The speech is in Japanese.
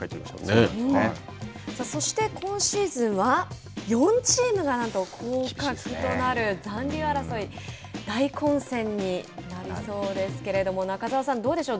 そして今シーズンは４チームがなんと降格となる残留争い大混戦になりそうですけれども中澤さん、どうでしょう。